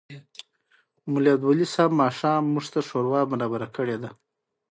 د شیدو د بندیدو لپاره د ګرمو اوبو مساج وکړئ